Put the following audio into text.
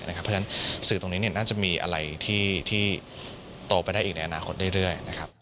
เพราะฉะนั้นสื่อตรงนี้น่าจะมีอะไรที่โตไปได้อีกในอนาคตเรื่อย